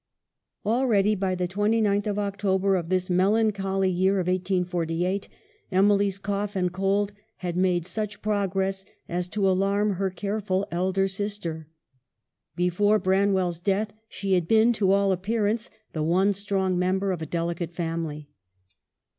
Already by the 29th of October of this melan choly year of 1848 Emily's cough and cold had made such progress as to alarm her careful elder sister. Before Branwell's death she had been, to all appearance, the one strong member of a delicate family.